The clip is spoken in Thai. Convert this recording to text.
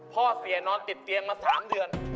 พ่อเสียนอนติดเตียงมา๓เดือน